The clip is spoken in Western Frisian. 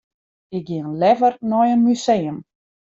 Ik gean leaver nei in museum.